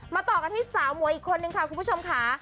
ต่อกันที่สาวมวยอีกคนนึงค่ะคุณผู้ชมค่ะ